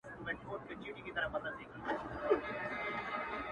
o چي هغه زه له خياله وباسمه.